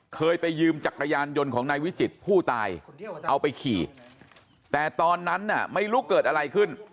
เคยไปยืมจักรยานยนต์ของนายวิจิตรผู้ตายเอาไปขี่แต่ตอนนั้นน่ะไม่รู้เกิดอะไรขึ้น